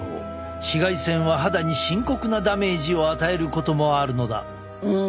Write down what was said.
紫外線は肌に深刻なダメージを与えることもあるのだ。